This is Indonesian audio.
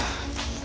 suteru gitu pak